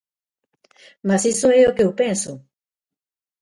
Mais iso é o que eu penso.